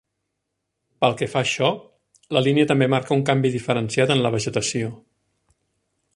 Pel que fa a això, la línia també marca un canvi diferenciat en la vegetació.